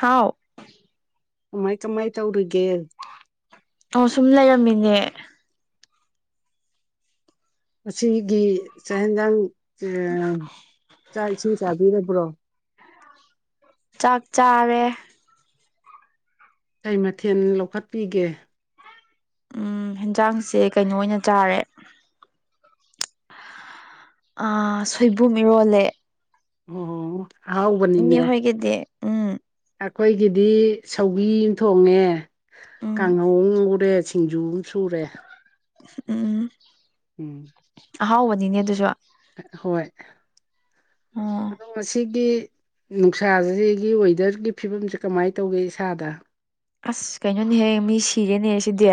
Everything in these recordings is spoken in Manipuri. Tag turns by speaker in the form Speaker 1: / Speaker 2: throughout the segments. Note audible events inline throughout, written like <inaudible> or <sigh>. Speaker 1: ꯍꯥꯎ
Speaker 2: ꯀꯃꯥꯏ ꯀꯃꯥꯏ ꯇꯧꯔꯤꯒꯦ
Speaker 1: ꯑꯣ ꯁꯨꯝ ꯂꯩꯔꯝꯃꯤꯅꯦ
Speaker 2: ꯉꯁꯤꯒꯤ ꯆꯥ ꯏꯟꯖꯥꯡ ꯑꯥ ꯆꯥꯛ ꯏꯁꯤꯡ ꯆꯥꯕꯤꯔꯕ꯭ꯔꯣ
Speaker 1: ꯆꯥꯛ ꯆꯥꯔꯦ
Speaker 2: ꯀꯩ ꯃꯊꯦꯟ ꯂꯧꯈꯠꯄꯤꯒꯦ
Speaker 1: ꯎꯝ ꯍꯦꯟꯖꯥꯡꯁꯦ ꯀꯩꯅꯣ ꯑꯣꯏꯅ ꯆꯥꯔꯦ ꯑꯥ ꯁꯣꯏꯕꯨꯝ ꯏꯔꯣꯜꯂꯦ
Speaker 2: ꯑꯣ
Speaker 1: ꯏꯅ‌ꯦ ꯍꯣꯏꯒꯤꯗꯤ ꯎꯝ
Speaker 2: ꯑꯈꯣꯏꯒꯤꯗꯤ ꯁꯧꯒ꯭ꯔꯤ ꯑꯝ ꯊꯣꯡꯉꯦ
Speaker 1: ꯎꯝ
Speaker 2: ꯀꯥꯡꯉꯧ ꯎꯔꯦ ꯁꯤꯡꯖꯨ ꯑꯃ ꯁꯨꯔꯦ
Speaker 1: ꯎꯝ
Speaker 2: ꯎꯝ
Speaker 1: ꯑꯍꯥꯎꯕꯅꯤꯅꯦ ꯑꯗꯨꯁꯨ
Speaker 2: ꯍꯣꯏ ꯑꯣ ꯁꯤꯒꯤ ꯅꯨꯡꯁꯥꯁꯤꯒꯤ ꯋꯦꯗꯔꯒꯤ ꯐꯤꯕꯝꯁꯤꯦ ꯀꯃꯥꯏꯅ ꯇꯧꯒꯦ ꯏꯁꯥꯗ
Speaker 1: ꯑꯁ ꯀꯩꯅꯣꯅꯦꯍꯌꯦ ꯃꯤ ꯁꯤꯔꯦꯅꯦ ꯁꯤꯗꯤ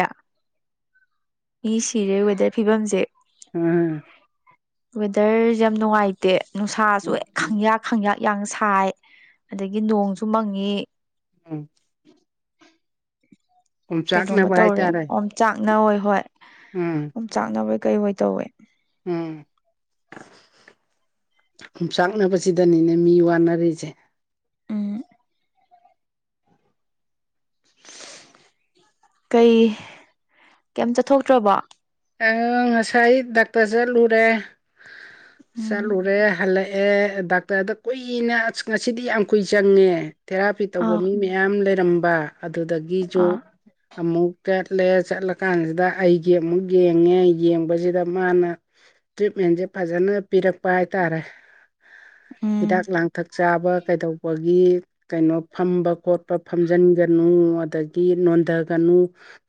Speaker 1: ꯃꯤ ꯁꯤꯔꯦ ꯋꯦꯗꯔ ꯐꯤꯕꯝꯁꯦ
Speaker 2: ꯎꯝ
Speaker 1: ꯋꯦꯗꯔꯁꯦ ꯌꯥꯝ ꯅꯨꯡꯉꯥꯏꯇꯦ ꯅꯨꯡꯁꯥꯁꯨ ꯍꯦꯛ ꯈꯪꯌꯥ ꯍꯪꯌꯥꯥꯛ ꯌꯥꯡ ꯁꯥꯏ ꯑꯗꯒꯤ ꯅꯣꯡꯁꯨ ꯃꯪꯉꯤ
Speaker 2: ꯎꯝ
Speaker 1: ꯀꯩꯗꯣꯃ
Speaker 2: ꯑꯣꯝꯆꯥꯛꯅꯕ
Speaker 1: ꯇꯧꯔꯦ
Speaker 2: ꯍꯥꯏꯇꯥꯔꯦ
Speaker 1: ꯑꯣꯝ ꯆꯥꯛꯅ ꯍꯣꯏ ꯍꯣꯏ
Speaker 2: ꯎꯝ
Speaker 1: ꯑꯗꯨꯨꯝ ꯆꯥꯛꯅꯕꯩ ꯀꯩ ꯍꯣꯏ ꯇꯧꯋꯦ
Speaker 2: ꯎꯝ ꯌꯆꯥꯛꯅꯕꯁꯤꯗꯅꯤꯅꯦ ꯃꯤ ꯋꯥꯅꯔꯤꯁꯦ
Speaker 1: ꯑꯥ ꯀꯩ ꯀꯩꯝ ꯆꯠꯊꯣꯛꯇ꯭ꯔꯕꯣ
Speaker 2: <inaudible> ꯉꯁꯥꯏ ꯗꯥꯛꯇ‍꯭ꯔ ꯆꯠꯂꯨꯔꯦ
Speaker 1: ꯎꯝ
Speaker 2: ꯆꯠꯂꯨꯔꯦ ꯍꯜꯂꯛ ꯑꯦ ꯗꯥꯛꯇꯔꯗ ꯀꯨꯏꯅ ꯑꯁ ꯉꯁꯤꯗꯤ ꯌꯥꯝ ꯀꯨꯏ ꯆꯪꯉꯦ ꯊꯦꯔꯥꯄꯤ ꯇꯧꯕ
Speaker 1: ꯑꯥ
Speaker 2: ꯃꯤ ꯃꯌꯥꯝ ꯂꯩꯔꯝꯕ ꯑꯗꯨꯗꯒꯤꯁꯨ
Speaker 1: ꯑꯥ
Speaker 2: ꯑꯃꯨꯛ ꯆꯠꯂꯦ ꯆꯠꯂꯀꯥꯟꯁꯤꯗ ꯑꯩꯒꯤ ꯑꯃꯨꯛ ꯌꯦꯡꯉꯦ ꯌꯦꯡꯕꯁꯤꯗ ꯃꯥꯅ ꯇ꯭ꯔꯤꯠꯃꯦꯟꯁꯦ ꯐꯖꯅ ꯄꯤꯔꯛꯄ ꯍꯥꯏꯇꯥꯔꯦ ꯍꯤꯗꯥꯛ
Speaker 1: ꯎꯝ
Speaker 2: ꯂꯥꯡꯊꯛ ꯆꯥꯕ ꯀꯩꯗꯧꯕꯒꯤ ꯀꯩꯅꯣ ꯐꯝꯕ ꯈꯣꯠꯄ ꯐꯝꯖꯤꯟꯒꯅꯨ ꯑꯗ ꯅꯣꯟꯊꯒꯅꯨ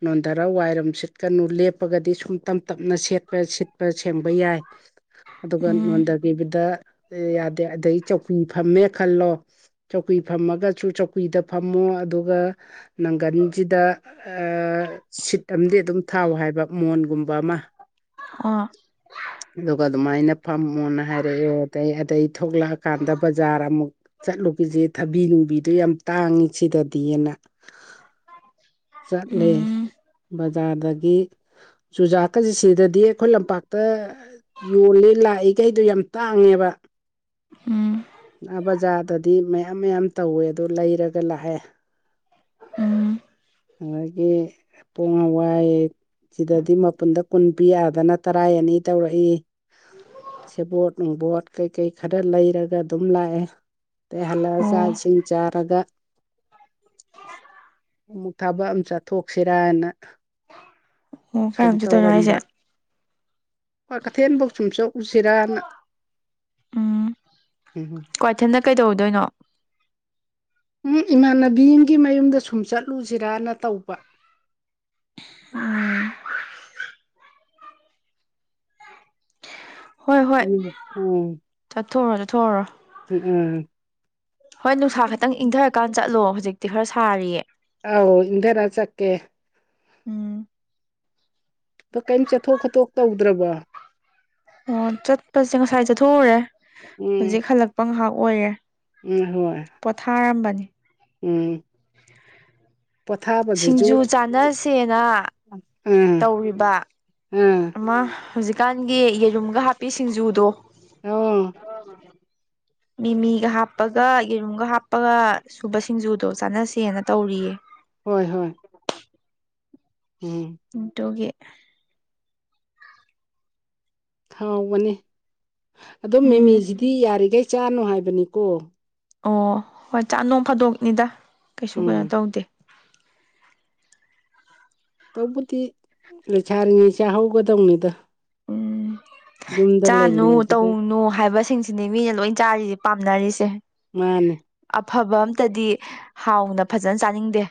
Speaker 2: ꯅꯣꯟꯊꯔ ꯋꯥꯏꯔꯝ ꯁꯤꯠꯀꯅꯨ ꯂꯦꯞ ꯄꯒꯗꯤ ꯁꯨꯝ ꯇꯞ ꯇꯞꯅ ꯁꯦꯠꯄ ꯁꯤꯠꯄ ꯁꯦꯡꯕ ꯌꯥꯏ ꯑꯗꯨꯒ
Speaker 1: ꯎꯝ
Speaker 2: ꯕꯗ ꯌꯥꯗꯦ ꯑꯗꯗꯒꯤ ꯆꯧꯀꯤ ꯐꯝꯃꯦ ꯈꯜꯂꯣ ꯆꯧꯀꯨꯏ ꯐꯝꯃꯒꯁꯨ ꯆꯧꯀꯨꯏꯗ ꯐꯝꯃꯣ ꯑꯗꯨꯒ ꯅꯪꯒꯟꯁꯤꯗ ꯁꯤꯠ ꯑꯃꯗꯤ ꯑꯗꯨꯝ ꯊꯥꯎ ꯍꯥꯏꯕ ꯃꯣꯟꯒꯨꯝꯕ ꯑꯃ
Speaker 1: ꯑ
Speaker 2: ꯏꯝ ꯑꯗꯨꯒ ꯑꯗꯨꯃꯥꯏꯅ ꯐꯝꯃꯣꯅ ꯍꯥꯏꯔꯛꯑꯦ ꯑꯗꯩ ꯑꯗꯩ ꯊꯣꯛꯂꯛꯑꯀꯥꯟꯗ ꯕꯖꯥꯔ ꯑꯃꯨꯛ ꯆꯠꯂꯨꯕꯤꯁꯦ ꯊꯕꯤ ꯅꯨꯡꯕꯤꯗꯣ ꯌꯥꯝ ꯇꯥꯡꯉꯤ ꯁꯤꯗꯗꯤꯅ ꯆꯠꯂꯦ
Speaker 1: ꯎꯝ
Speaker 2: ꯕꯖꯥꯔꯗꯒꯤ ꯆꯨꯖꯥꯛꯀꯁꯤ ꯁꯤꯗꯗꯤ ꯑꯩꯈꯣꯏ ꯂꯝꯄꯥꯛꯇ ꯌꯣꯜꯂꯤ ꯂꯥꯛꯏꯈꯩꯗꯣ ꯌꯥꯝ ꯇꯥꯡꯉꯦꯕ
Speaker 1: ꯎꯝ
Speaker 2: ꯕꯖꯥꯔꯗꯗꯤ ꯃꯌꯥꯝ ꯃꯌꯥꯝ ꯇꯧꯋꯦ ꯑꯗꯣ ꯂꯩꯔꯒ ꯂꯥꯛꯑꯦ
Speaker 1: ꯎꯝ
Speaker 2: ꯑꯗꯒꯤ ꯄꯣ ꯍꯋꯥꯏ ꯁꯤꯗꯗꯤ ꯃꯄꯨꯟꯗ ꯀꯨꯟ ꯄꯤ ꯑꯗꯅ ꯇꯔꯥ ꯑꯅꯤ ꯇꯧꯔꯛꯏ ꯁꯦꯕꯣꯠ ꯅꯨꯡꯕꯣꯠ ꯀꯩꯀꯩ ꯈꯔ ꯂꯩꯔꯒ ꯑꯗꯨꯝ ꯂꯥꯛꯑꯦ ꯇꯦꯍꯂ
Speaker 1: ꯑꯣ
Speaker 2: ꯁꯥꯁꯤ ꯆꯔꯒ ꯑꯃꯨꯛ ꯊꯥꯕꯛ ꯑꯃ ꯆꯠꯊꯣꯛꯁꯤꯔꯅ
Speaker 1: ꯑꯣ
Speaker 2: ꯁꯨꯝ
Speaker 1: ꯀꯔꯝ ꯆꯠꯇꯣꯏꯅꯣ ꯍꯥꯏꯁꯦ
Speaker 2: ꯇꯧꯔꯝꯕ ꯍꯣꯏ ꯀꯩꯊꯦꯜꯐꯧ ꯁꯨꯝꯁꯨ ꯎꯁꯤꯔꯅ ꯍꯝ ꯍꯝ
Speaker 1: ꯀ꯭ꯋꯥꯏꯊꯦꯟꯗ ꯀꯩꯗꯧꯗꯣꯏꯅꯣ
Speaker 2: ꯏ ꯏꯃꯥꯟꯅꯕꯤ ꯑꯃꯒꯤ ꯃꯌꯨꯝꯗ ꯁꯨꯝ ꯆꯠꯂꯨꯖꯤꯔꯥꯅ ꯇꯧꯕ
Speaker 1: ꯎꯝ ꯍꯣꯏ ꯍꯣꯏ
Speaker 2: ꯎꯝ ꯎꯝ
Speaker 1: ꯆꯠꯊꯣꯛꯎꯔꯣ ꯆꯠꯊꯣꯛꯎꯔꯣ
Speaker 2: ꯎꯝ
Speaker 1: ꯍꯣꯏ ꯅꯨꯡꯁꯥ ꯈꯛꯇꯪ ꯏꯪꯗꯔꯀꯥꯟ ꯆꯠꯂꯣ ꯍꯧꯖꯤꯛꯇꯤ ꯈꯔ ꯁꯥꯔꯤꯌꯦ
Speaker 2: ꯑꯧ ꯏꯪꯗꯔ ꯆꯠꯀꯦ
Speaker 1: ꯎꯝ
Speaker 2: ꯄ ꯀꯩꯝ ꯆꯠꯊꯣꯛ ꯈꯣꯠꯇꯣꯛ ꯇꯧꯗ꯭ꯔꯕꯣ
Speaker 1: ꯑꯣ ꯆꯠꯄꯁꯦ ꯉꯁꯥꯏ ꯆꯠꯊꯣꯛꯎꯔꯦ
Speaker 2: ꯎꯝ
Speaker 1: ꯍꯧꯖꯤꯛ ꯍꯜꯂꯛꯄ ꯉꯥꯏꯍꯥꯛ ꯑꯣꯏꯔꯦ
Speaker 2: ꯎꯝ ꯍꯣꯏ
Speaker 1: ꯄꯣꯊꯥꯔꯝꯕꯅꯤ
Speaker 2: ꯎꯝ
Speaker 1: ꯁꯤꯡꯖꯨ
Speaker 2: ꯄꯣꯊꯥꯕꯗꯨꯁꯨ
Speaker 1: ꯆꯥꯅꯁꯦꯅ
Speaker 2: ꯎꯝ
Speaker 1: ꯇꯧꯔꯤꯕ
Speaker 2: ꯎꯝ
Speaker 1: ꯑꯃ ꯍꯧꯖꯤꯛꯀꯥꯟꯒꯤ ꯌꯦꯔꯨꯝꯒ ꯍꯥꯞꯄꯤ ꯁꯤꯡꯖꯨꯗꯣ
Speaker 2: ꯑꯣ
Speaker 1: ꯃꯤꯃꯤꯒ ꯍꯥꯞꯄꯒ ꯌꯦꯔꯨꯝꯒ ꯍꯥꯞꯄꯒ ꯁꯨꯕ ꯁꯤꯡꯖꯨꯗꯣ ꯆꯥꯟꯅꯁꯦꯅ ꯇꯧꯔꯤꯌꯦ
Speaker 2: ꯍꯣꯏ ꯍꯣꯏ ꯎꯝ
Speaker 1: ꯏꯟꯇꯨꯒꯤ
Speaker 2: ꯍꯥꯎꯕꯅꯤ ꯑꯗꯣ
Speaker 1: ꯎꯝ
Speaker 2: ꯃꯤꯃꯤꯖꯤꯗꯤ ꯌꯥꯔꯤꯒꯩ ꯆꯥꯅꯣ ꯍꯥꯏꯕꯅꯤꯀꯣ
Speaker 1: ꯑꯣ ꯍꯣꯏ ꯆꯥ ꯅꯣꯡ ꯐꯥꯗꯣꯛꯅꯤꯗ ꯀꯩꯁꯨ ꯀꯩꯅꯣ
Speaker 2: ꯎꯝ
Speaker 1: ꯇꯧꯗꯦ
Speaker 2: ꯇꯧꯕꯨꯗꯤ ꯂꯩꯁꯥꯔꯤꯉꯩ ꯆꯥꯍꯧꯒꯗꯧꯅꯤꯗ
Speaker 1: ꯎꯝ
Speaker 2: ꯌꯨꯝꯗ
Speaker 1: ꯆꯥꯅꯨ
Speaker 2: ꯂꯩꯔꯤꯉꯩꯁꯤꯗ
Speaker 1: ꯇꯧꯅꯨ ꯍꯥꯏꯕꯁꯤꯡꯁꯤꯅꯦ ꯃꯤꯅ ꯂꯣꯏ ꯆꯥꯔꯤꯁꯦ ꯄꯥꯝꯅꯔꯤꯁꯦ
Speaker 2: ꯃꯥꯅꯦ
Speaker 1: ꯑꯐꯕ ꯑꯝꯇꯗꯤ ꯍꯥꯎꯅ ꯐꯖꯅ ꯆꯥꯅꯤꯡꯗꯦ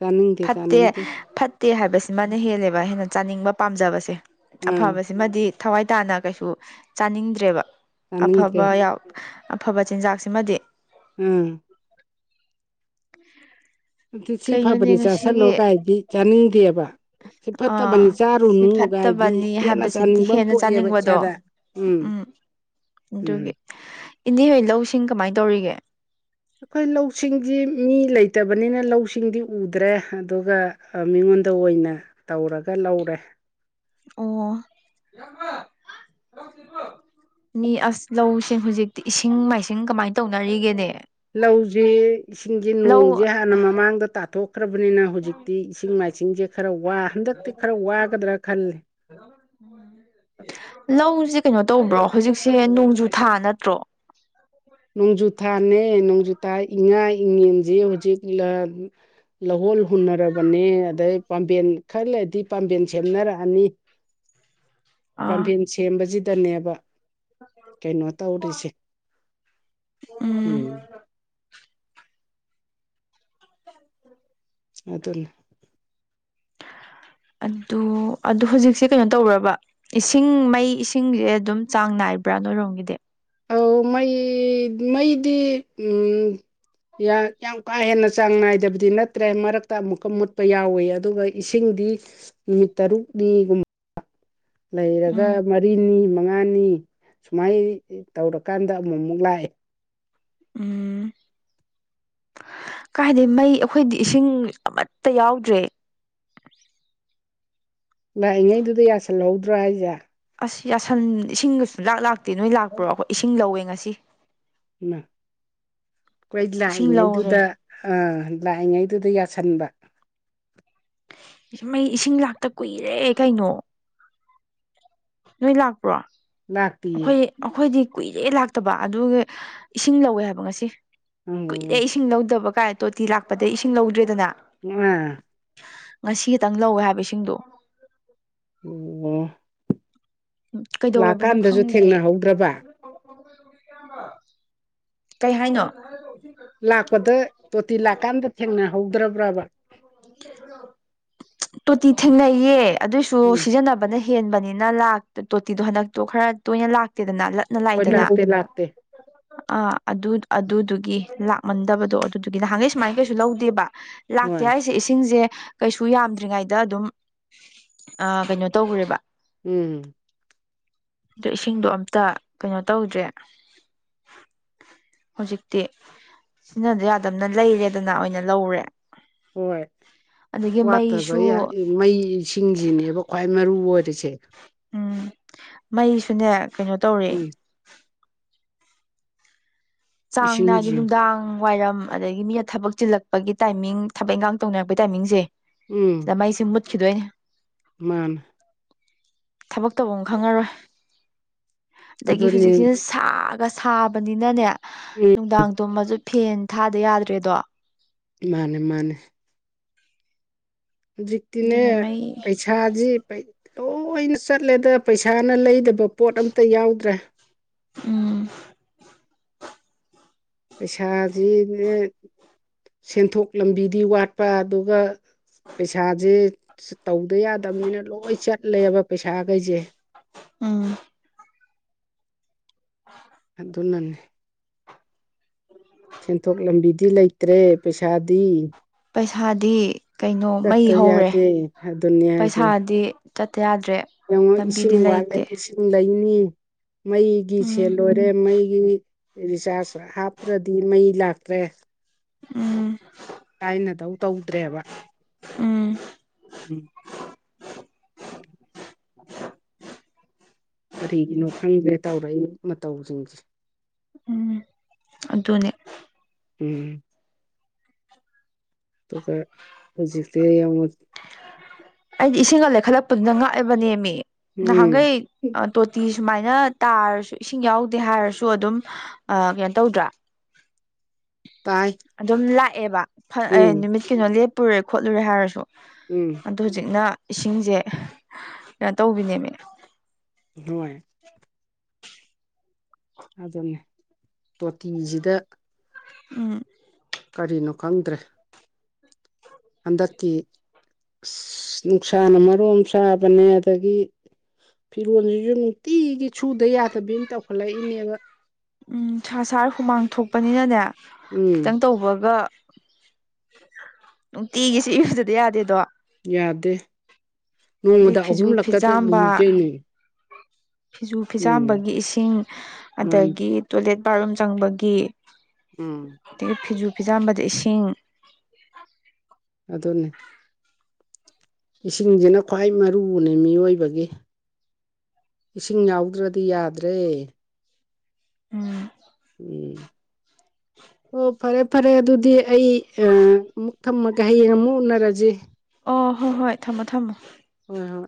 Speaker 2: ꯆꯥꯅꯤꯡꯗꯦ
Speaker 1: ꯐꯠꯇꯦ
Speaker 2: ꯆꯥꯅꯤꯡꯗꯦ
Speaker 1: ꯐꯠꯇꯦ ꯍꯥꯏꯕꯁꯤꯃꯅ ꯍꯦꯜꯂꯦꯕ ꯕ ꯍꯦꯟꯅ ꯆꯥꯅꯤꯡꯕ ꯄꯥꯝꯖꯕꯁꯦ
Speaker 2: ꯑꯥ
Speaker 1: ꯑꯐꯕꯁꯤꯃꯗꯤ ꯊꯋꯥꯏ ꯇꯥꯅ ꯀꯩꯁꯨ ꯆꯥꯅꯤꯡꯗ꯭ꯔꯦꯕ
Speaker 2: ꯆꯥꯅꯤꯡꯗ꯭ꯔꯦ
Speaker 1: ꯑꯐꯕ ꯌꯥꯏ ꯑꯐꯕ ꯆꯤꯟꯖꯥꯛꯁꯤꯃꯗꯤ
Speaker 2: ꯎꯝ
Speaker 1: <inaudible>
Speaker 2: ꯑꯗꯨ ꯁꯤ ꯐꯕꯅꯤ
Speaker 1: ꯀꯩꯅꯣꯅꯦ
Speaker 2: ꯆꯥꯁꯤꯜꯂꯣ
Speaker 1: ꯉꯁꯤꯒꯤ
Speaker 2: ꯀꯥꯏꯗꯤ ꯆꯥꯅꯤꯡꯗꯦꯕ ꯁꯤ ꯐꯠꯇꯕꯅꯤ
Speaker 1: ꯑꯥ ꯁꯤ
Speaker 2: ꯆꯥꯔꯨꯅꯨꯒꯥꯏꯗꯤ
Speaker 1: ꯐꯠꯇꯕꯅꯤ
Speaker 2: ꯍꯦꯟꯅ
Speaker 1: ꯍꯥꯏꯕꯁꯤꯗꯤ
Speaker 2: ꯆꯥꯅꯤꯡꯕ ꯑꯃ
Speaker 1: ꯍꯦꯟꯅ
Speaker 2: ꯄꯣꯛꯑꯦꯕ
Speaker 1: ꯆꯥꯅꯤꯡꯕꯗꯣ
Speaker 2: ꯏꯁꯥꯗ ꯎꯝ ꯎꯝ
Speaker 1: ꯑꯗꯨꯒꯤ ꯏꯅꯦꯍꯣꯏ ꯂꯧ ꯁꯤꯡ ꯀꯃꯥꯏ ꯇꯧꯔꯤꯒꯦ
Speaker 2: ꯑꯩꯈꯣꯏ ꯂꯧꯁꯤꯡꯗꯤ ꯃꯤ ꯂꯩꯇꯕꯅꯤꯅ ꯂꯧꯁꯤꯡꯗꯤ ꯎꯗ꯭ꯔꯦ ꯑꯗꯨꯒ ꯑ ꯃꯤꯉꯣꯟꯗ ꯑꯣꯏꯅ ꯇꯧꯔꯒ ꯂꯧꯔꯦ
Speaker 1: ꯑꯣ ꯃꯤ ꯑꯁ ꯂꯧꯁꯤꯡ ꯍꯧꯖꯤꯛꯇꯤ ꯏꯁꯤꯡ ꯃꯥꯏꯁꯤꯡ ꯀꯃꯥꯏ ꯇꯧꯅꯔꯤꯒꯦꯅꯦ
Speaker 2: ꯂꯧꯖꯤ ꯏꯁꯤꯡꯖꯤ
Speaker 1: ꯂꯧ
Speaker 2: ꯅꯣꯡꯖꯦ ꯍꯥꯟꯅ ꯃꯃꯥꯡꯗ ꯇꯥꯊꯣꯛ ꯈ꯭ꯔꯕꯅꯤꯅ ꯍꯧꯖꯤꯛꯇꯤ ꯏꯁꯤꯡ ꯃꯥꯏꯁꯤꯡꯖꯦ ꯈꯔ ꯋꯥ ꯍꯟꯗꯛꯇꯤ ꯈꯔ ꯋꯥꯒꯗ꯭ꯔꯥ ꯈꯜꯂꯦ
Speaker 1: ꯂꯧꯖꯦ ꯀꯩꯅꯣ ꯇꯧꯕ꯭ꯔꯣ ꯍꯧꯖꯤꯛꯁꯦ ꯅꯣꯡꯖꯨ ꯊꯥ ꯅꯠꯇ꯭ꯔꯣ
Speaker 2: ꯅꯣꯡꯖꯨꯊꯥꯅꯦ ꯅꯣꯡꯖꯨꯊꯥ ꯏꯉꯥ ꯏꯉꯦꯟꯖꯦ ꯍꯧꯖꯤꯛ ꯂ ꯂꯧꯍꯣꯜ ꯍꯨꯟꯅꯔꯕꯅꯦ ꯑꯗꯩ ꯄꯥꯝꯕꯦꯟ ꯈꯔ ꯂꯩꯗꯤ ꯄꯥꯝꯕꯦꯟ ꯁꯦꯝꯅꯔꯛꯑꯅꯤ
Speaker 1: ꯑꯥ
Speaker 2: ꯄꯥꯝꯕꯦꯟ ꯁꯦꯝꯕꯖꯤꯗꯅꯦꯕ ꯀꯩꯅꯣ ꯇꯧꯔꯤꯁꯦ
Speaker 1: ꯎꯝ
Speaker 2: ꯑꯗꯨꯅꯦ
Speaker 1: ꯑꯗꯨ ꯑꯗꯨ ꯍꯧꯖꯤꯛꯁꯦ ꯀꯩꯅꯣ ꯇꯧꯕ꯭ꯔꯕ ꯏꯁꯤꯡ ꯃꯩ ꯏꯁꯤꯡꯖꯦ ꯑꯗꯨꯝ ꯆꯥꯡ ꯅꯥꯏꯕ꯭ꯔꯥ ꯅꯣꯏꯔꯣꯝꯒꯤꯗꯤ
Speaker 2: ꯑꯧ ꯃꯩ ꯃꯩꯗꯤ ꯎꯝ ꯌꯥ ꯌꯥꯝ ꯀꯥ ꯍꯦꯟꯅ ꯆꯥꯡ ꯅꯥꯏꯗꯕꯗꯤ ꯅꯠꯇ꯭ꯔꯦ ꯃꯔꯛꯇ ꯑꯃꯨꯛꯀ ꯃꯨꯠꯄ ꯌꯥꯎꯋꯦ ꯑꯗꯨꯒ ꯏꯁꯤꯡꯗꯤ ꯅꯨꯃꯤꯠ ꯇꯔꯨꯛꯅꯤꯒꯨꯝꯕ ꯂꯩꯔꯒ
Speaker 1: ꯎꯝ
Speaker 2: ꯃꯔꯤꯅꯤ ꯃꯉꯥꯅꯤ ꯁꯨꯃꯥꯏ ꯇꯧꯔꯀꯥꯟꯗ ꯑꯃꯨꯛ ꯑꯃꯨꯛ ꯂꯥꯛꯑꯦ
Speaker 1: ꯎꯝ ꯀꯥꯏꯗꯩ ꯃꯩ ꯑꯩꯈꯣꯏꯗꯤ ꯏꯁꯤꯡ ꯑꯃꯠꯇ ꯌꯥꯎꯗ꯭ꯔꯦ
Speaker 2: ꯂꯥꯛꯏꯉꯩꯗꯨꯗ ꯌꯥꯁꯜꯍꯧꯗ꯭ꯔꯥ ꯍꯥꯏꯁꯦ
Speaker 1: ꯑꯁ ꯌꯥꯁꯟ ꯏꯁꯤꯡ ꯁꯨꯡꯂꯥꯛ ꯂꯥꯛꯇꯦ ꯅꯣꯏ ꯂꯥꯛꯄ꯭ꯔꯣ ꯑꯩꯈꯣꯏ ꯏꯁꯤꯡ ꯂꯧꯋꯦ ꯉꯁꯤ
Speaker 2: ꯍꯥꯢꯃ ꯈꯣꯏ
Speaker 1: ꯏꯁꯤꯡ ꯂꯧꯔꯦ
Speaker 2: ꯂꯥꯛꯏꯉꯩꯗꯨꯗ ꯑꯥ ꯂꯥꯛꯏꯉꯩꯗꯨꯗ ꯌꯥꯁꯟꯕ
Speaker 1: ꯃꯩ ꯏꯁꯤꯡ ꯂꯥꯛꯇ ꯀꯨꯏꯔꯦ ꯀꯩꯅꯣ ꯅꯣꯏ ꯂꯥꯛꯄ꯭ꯔꯣ
Speaker 2: ꯂꯥꯛꯇꯤꯌꯦ
Speaker 1: ꯑꯩꯈꯣꯏ ꯑꯩꯈꯣꯏꯗꯤ ꯀꯨꯏꯔꯦ ꯂꯥꯛꯇꯕ ꯑꯗꯨ ꯏꯁꯤꯡ ꯂꯧꯋꯦ ꯍꯥꯏꯕ ꯉꯁꯤ ꯀꯨꯏꯔꯦ
Speaker 2: ꯑꯣ
Speaker 1: ꯏꯁꯤꯡ ꯏꯁꯤꯡ ꯂꯧꯗꯕ ꯀꯥꯏ ꯇꯣꯇꯤ ꯂꯥꯛꯄꯗꯩ ꯏꯁꯤꯡ ꯂꯧꯗ꯭ꯔꯦꯗꯅ
Speaker 2: ꯎꯝ
Speaker 1: ꯉꯁꯤ ꯇꯪ ꯂꯧꯋꯦ ꯍꯥꯏꯕ ꯏꯁꯤꯡꯗꯣ
Speaker 2: ꯎꯝ
Speaker 1: ꯀꯩꯗꯧꯔꯕꯅꯣ ꯈꯪꯗꯦ
Speaker 2: ꯊꯦꯡꯅꯍꯧꯗ꯭ꯔꯕ
Speaker 1: ꯀꯩ ꯍꯥꯏꯅꯣ
Speaker 2: ꯂꯥꯛꯄꯗ ꯇꯣꯇꯤ ꯂꯥꯛꯀꯥꯟꯗ ꯊꯦꯡꯅꯍꯧꯗ꯭ꯔꯕ꯭ꯔꯕ
Speaker 1: ꯇꯣꯇꯤ ꯊꯦꯡꯅꯩꯌꯦ ꯑꯗꯨꯏꯁꯨ
Speaker 2: ꯎꯝ
Speaker 1: ꯁꯤꯖꯤꯟꯅꯕꯅ ꯍꯦꯟꯕꯅꯤꯅ ꯇꯣꯇꯤꯗꯣ ꯍꯟꯗꯛꯇꯣ ꯈꯔ ꯇꯣꯏꯅ ꯂꯥꯛꯇꯦꯗꯅ
Speaker 2: ꯍꯣꯏ ꯂꯥꯛꯇꯦ ꯂꯥꯛꯇꯦ
Speaker 1: ꯑ ꯑꯗꯨ ꯑꯗꯨꯗꯨꯒꯤ ꯂꯥꯛ ꯃꯟꯗꯕꯗꯣ ꯑꯗꯨꯗꯨꯒꯤ ꯅꯍꯥꯟꯒꯩ ꯁꯨꯃꯥꯏꯅ ꯀꯩꯁꯨ ꯂꯧꯗꯦꯕ ꯂꯥꯛꯇꯦ
Speaker 2: ꯍꯣꯏ
Speaker 1: ꯍꯥꯏꯁꯦ ꯏꯁꯤꯡꯁꯦ ꯀꯩꯁꯨ ꯌꯥꯝꯗ꯭ꯔꯤꯉꯩꯗ ꯑꯗꯨꯝ ꯀꯩꯅꯣ ꯇꯧꯒ꯭ꯔꯦꯕ
Speaker 2: ꯎꯝ
Speaker 1: ꯑꯗꯨ ꯏꯁꯤꯡꯗꯣ ꯑꯝꯇ ꯀꯩꯅꯣ ꯇꯧꯗ꯭ꯔꯦ ꯍꯧꯖꯤꯛꯇꯤ ꯁꯤꯅꯗ ꯌꯥꯗꯝꯅꯤꯅ ꯂꯩꯔꯦꯗꯅ ꯑꯣꯏꯅ ꯂꯧꯔꯦ
Speaker 2: ꯍꯣꯏ
Speaker 1: ꯑꯗꯒꯤ
Speaker 2: ꯋꯥꯠꯇꯕ
Speaker 1: ꯃꯩꯁꯨ
Speaker 2: ꯌꯥꯏ ꯃꯩ ꯏꯁꯤꯡꯁꯤꯅꯦꯕ ꯈ꯭ꯋꯥꯏ ꯃꯔꯨ ꯑꯣꯏꯔꯤꯁꯦ
Speaker 1: ꯎꯝ ꯃꯩꯁꯨꯅꯦ ꯀꯩꯅꯣ ꯇꯧꯔꯦ
Speaker 2: ꯎꯝ
Speaker 1: ꯆꯥꯡ ꯅꯥꯏꯗꯦ
Speaker 2: ꯏꯁꯤꯡꯁꯤ
Speaker 1: ꯅꯨꯡꯗꯥꯡ ꯋꯥꯏꯔꯝ ꯑꯗꯒꯤ ꯃꯤꯅ ꯊꯕꯛ ꯆꯤꯜꯂꯛꯄꯒꯤ ꯇꯥꯏꯃꯤꯡ ꯊꯕꯛ ꯏꯟꯈꯥꯡ ꯇꯧꯅꯔꯛꯄꯒꯤ ꯇꯥꯏꯃꯤꯡꯁꯦ
Speaker 2: ꯎꯝ
Speaker 1: ꯗ ꯃꯩꯁꯦ ꯃꯨꯠꯈꯤꯗꯣꯏꯅꯦ
Speaker 2: ꯃꯥꯅꯦ
Speaker 1: ꯊꯕꯛ ꯇꯧꯕꯝ ꯈꯪꯉꯔꯣꯏ ꯑꯗꯒꯤ
Speaker 2: ꯑꯗꯨꯅꯤ
Speaker 1: ꯍꯧꯖꯤꯛꯁꯦ ꯁꯥꯒ ꯁꯥꯕꯅꯤꯅꯅꯦ
Speaker 2: ꯎꯝ
Speaker 1: ꯅꯨꯡꯗꯥꯡ ꯇꯨꯝꯃꯁꯨ ꯐꯦꯟ ꯊꯥꯗ ꯌꯥꯗ꯭ꯔꯦꯗꯣ
Speaker 2: ꯃꯥꯅꯦ ꯃꯥꯅꯦ ꯖꯤꯛꯇꯤꯅꯦ
Speaker 1: ꯑꯗꯨꯅꯦ ꯃꯩ
Speaker 2: ꯄꯩꯁꯥ ꯄꯩꯁꯥꯁꯤ ꯂꯣꯏꯅ ꯆꯠꯂꯦꯗ ꯄꯩꯁꯥꯅ ꯂꯩꯗꯕ ꯄꯣꯠ ꯑꯝꯇ ꯌꯥꯎꯗ꯭ꯔꯦ
Speaker 1: ꯎꯝ
Speaker 2: ꯄꯩꯁꯥꯁꯤꯅꯦ ꯁꯦꯟꯊꯣꯛ ꯂꯝꯕꯤꯗꯤ ꯋꯥꯠꯄ ꯑꯗꯨꯒ ꯄꯩꯁꯥꯁꯦ ꯇꯧꯗ ꯌꯥꯗꯕꯅꯤꯅ ꯂꯣꯏ ꯆꯠꯂꯦꯕ ꯄꯩꯁꯥꯈꯩꯁꯦ
Speaker 1: ꯎꯝ
Speaker 2: ꯑꯗꯨꯅꯅꯤ ꯁꯦꯟꯊꯣꯛ ꯂꯝꯕꯤꯗꯤ ꯂꯩꯇ꯭ꯔꯦ ꯄꯩꯁꯥꯗꯤ
Speaker 1: ꯄꯩꯁꯥꯗꯤ ꯀꯩꯅꯣ ꯃꯩ
Speaker 2: ꯆꯠꯇ
Speaker 1: ꯍꯧꯔꯦ
Speaker 2: ꯌꯥꯗꯦ ꯑꯗꯨꯅꯤ ꯍꯥꯏꯁꯦ
Speaker 1: ꯄꯩꯁꯥꯗꯤ ꯆꯠꯇ ꯌꯥꯗ꯭ꯔꯦ
Speaker 2: ꯌꯦꯡꯉꯣ
Speaker 1: ꯂꯝꯕꯤꯗꯤ
Speaker 2: ꯏꯁꯤꯡ ꯋꯥꯠꯂꯦ
Speaker 1: ꯂꯩꯇꯦ
Speaker 2: ꯏꯁꯤꯡ ꯁꯤꯡ ꯂꯩꯅꯤ ꯃꯩꯒꯤ ꯁꯦꯜ
Speaker 1: ꯎꯝ
Speaker 2: ꯂꯣꯏꯔꯦ ꯃꯩꯒꯤ ꯔꯤꯆꯥꯔꯖ ꯍꯥꯞꯇ꯭ꯔꯗꯤ ꯃꯩ ꯂꯥꯛꯇ꯭ꯔꯦ
Speaker 1: ꯎꯝ
Speaker 2: ꯊꯥꯏꯅꯗꯧ ꯇꯧꯗ꯭ꯔꯦꯕ
Speaker 1: ꯎꯝ
Speaker 2: ꯎꯝ ꯎꯝ ꯀꯔꯤꯒꯤꯅꯣ ꯈꯪꯗ꯭ꯔꯦ ꯇꯧꯔꯛꯏ ꯃꯇꯧꯁꯤꯡꯁꯦ
Speaker 1: ꯎꯝ ꯑꯗꯨꯅꯦ
Speaker 2: ꯎꯝ ꯑꯗꯨꯒ ꯍꯧꯖꯤꯛꯛꯇ ꯌꯥꯝ
Speaker 1: ꯑꯩꯗꯤ ꯏꯁꯤꯡꯒꯂꯦꯛ ꯈꯠꯂ ꯄꯨꯟꯅ ꯉꯥꯛꯑꯕꯅꯦꯃꯤ
Speaker 2: ꯎꯝ
Speaker 1: ꯅꯍꯥꯟꯈꯩ ꯇꯣꯇꯤ ꯁꯨꯃꯥꯏꯅ ꯇꯥꯔꯁꯨ ꯏꯁꯤꯡ ꯌꯥꯎꯗꯦ ꯍꯥꯏꯔꯁꯨ ꯑꯗꯨꯝ ꯀꯩꯅꯣ ꯇꯧꯗ꯭ꯔꯥ
Speaker 2: ꯄꯥꯏ
Speaker 1: ꯑꯗꯨꯝ ꯂꯥꯛꯑꯦꯕ ꯅꯨꯃꯤꯠ ꯀꯩꯅꯣ ꯂꯦꯞꯄꯨꯔꯦ ꯈꯣꯠꯂꯨꯔꯦ ꯍꯥꯏꯔꯁꯨ
Speaker 2: ꯎꯝ
Speaker 1: ꯑꯗꯣ ꯍꯧꯖꯤꯛꯅ ꯏꯁꯤꯡꯁꯦ ꯀꯩꯅꯣ ꯇꯧꯕꯤꯅꯦꯃꯦ
Speaker 2: ꯍꯣꯏ ꯑꯗꯨꯅꯤ ꯇꯣꯇꯤꯁꯤꯗ
Speaker 1: ꯎꯝ
Speaker 2: ꯀꯔꯤꯅꯣ ꯈꯪꯗ꯭ꯔꯦ ꯍꯟꯗꯛꯀꯤ ꯅꯨꯡꯁꯥꯅ ꯃꯔꯣ ꯁꯥꯕꯅꯦ ꯑꯗꯒꯤ ꯐꯤꯔꯣꯜꯁꯤꯁꯨ ꯅꯨꯡꯇꯤꯒꯤ ꯁꯨꯗ ꯌꯥꯗꯕꯤ ꯑꯃ ꯇꯧꯈꯠꯂꯛꯏꯅꯦꯕ
Speaker 1: ꯎꯝ ꯅꯨꯡꯁꯥ ꯁꯥꯔ ꯍꯨꯃꯥꯡ ꯊꯣꯛꯄꯅꯤꯅꯅꯦ ꯈꯤꯇꯪ
Speaker 2: ꯎꯝ
Speaker 1: ꯇꯧꯕꯒ ꯅꯨꯡꯇꯤꯒꯤꯁꯦ ꯏꯨꯗꯗꯤ ꯌꯥꯗꯦꯗꯣ
Speaker 2: ꯌꯥꯗꯦ
Speaker 1: ꯑꯗꯩ
Speaker 2: ꯅꯣꯡꯃꯗ
Speaker 1: ꯐꯤꯖꯨ
Speaker 2: ꯑꯍꯨꯝꯂꯛꯀꯗ
Speaker 1: ꯐꯤꯖꯥꯝꯕ
Speaker 2: ꯂꯨꯏ ꯀꯩꯅꯣ
Speaker 1: ꯐꯤꯖꯨ
Speaker 2: ꯎꯝ
Speaker 1: ꯐꯤꯖꯥꯝꯕꯒꯤ ꯏꯁꯤꯡ
Speaker 2: ꯃꯥꯅꯤ
Speaker 1: ꯑꯗꯒꯤ ꯇꯣꯏꯂꯦꯠ ꯕꯥꯠꯔꯨꯝ ꯆꯪꯕꯒꯤ
Speaker 2: ꯎꯝ
Speaker 1: ꯑꯗꯒꯤ ꯐꯤꯖꯨ ꯐꯤꯖꯥꯝꯕꯗ ꯏꯁꯤꯡ
Speaker 2: ꯑꯗꯨꯅꯦ ꯏꯁꯤꯡꯁꯤꯅ ꯈ꯭ꯋꯥꯏ ꯃꯥꯔꯨꯅꯦ ꯃꯤꯑꯣꯏꯕꯒꯤ ꯏꯁꯤꯡ ꯌꯥꯎꯗ꯭ꯔꯗꯤ ꯌꯥꯗ꯭ꯔꯦ
Speaker 1: ꯎꯝ
Speaker 2: ꯎꯝ ꯑꯣ ꯐꯔꯦ ꯐꯔꯦ ꯑꯗꯨꯗꯤ ꯑꯩ ꯑꯃꯨꯛ ꯊꯝꯃꯒ ꯍꯌꯦꯡ ꯑꯃꯨꯛ ꯎꯅꯔꯁꯤ
Speaker 1: ꯑꯣ ꯍꯣ ꯍꯣꯏ ꯊꯝꯃꯣ ꯊꯝꯃꯣ
Speaker 2: ꯍꯣꯏ ꯍꯣꯏ